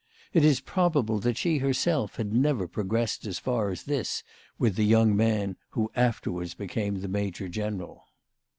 It is probable that she herself had never pro gressed as far as this with the young man who after wards became the major general.